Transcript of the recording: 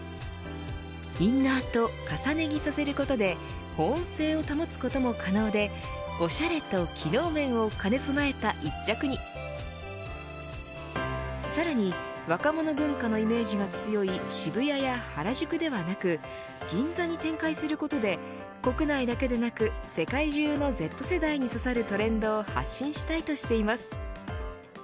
インナーと重ね着させることで保温性を保つことも可能でおしゃれと機能面を兼ね備えた１着にさらに、若者文化のイメージが強い渋谷や原宿ではなく銀座に展開することで国内だけでなく世界中のＺ世代に刺さるトレンドを発信したいとしています。